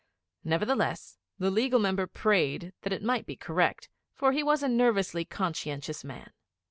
Nevertheless, the Legal Member prayed that it might be correct, for he was a nervously conscientious man.